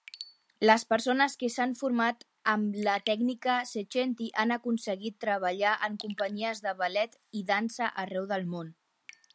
Les persones que s'han format amb la tècnica Cecchetti han aconseguit treballar en companyies de ballet i dansa arreu del món.